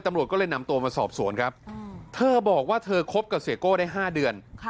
ตำรวจก็เลยนำตัวมาสอบสวนครับเธอบอกว่าเธอคบกับเสียโก้ได้๕เดือน